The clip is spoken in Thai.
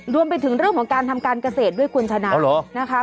รวมไปถึงเรื่องของการทำการเกษตรด้วยคุณชนะนะคะ